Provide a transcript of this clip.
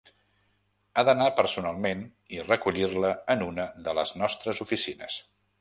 Ha d'anar personalment i recollir-la en una de les nostres oficines.